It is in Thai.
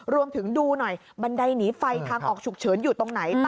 ดูหน่อยบันไดหนีไฟทางออกฉุกเฉินอยู่ตรงไหน